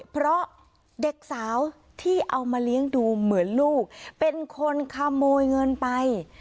เพราะเด็กสาวที่เอามาเลี้ยงดูเหมือนลูกเป็นคนขโมยเงินไป